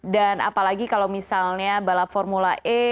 dan apalagi kalau misalnya balap formula e